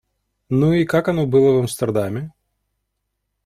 Ну, и как оно было в Амстердаме?